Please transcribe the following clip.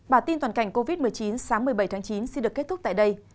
bản tin toàn cảnh covid một mươi chín sáng một mươi bảy tháng chín xin được kết thúc tại đây